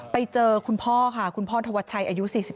ไปเจอคุณพ่อค่ะคุณพ่อธวัชชัยอายุ๔๒